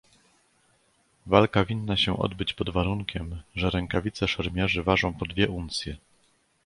"Walka winna się odbyć pod warunkiem, że rękawice szermierzy ważą po dwie uncje."